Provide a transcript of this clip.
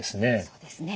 そうですね。